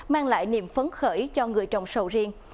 mang lại niềm phấn khởi cho người trồng sầu riêng